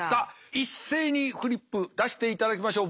一斉にフリップ出していただきましょう。